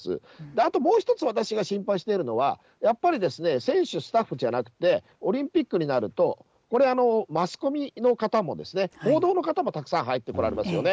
あともう一つ、私が心配しているのは、やっぱり選手、スタッフじゃなくて、オリンピックになるとこれ、マスコミの方もですね、報道の方もたくさん入ってこられますよね。